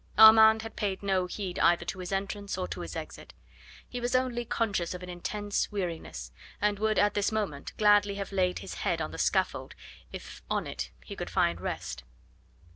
Armand had paid no heed either to his entrance or to his exit. He was only conscious of an intense weariness, and would at this moment gladly have laid his head on the scaffold if on it he could find rest.